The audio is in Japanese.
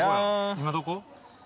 今どこ？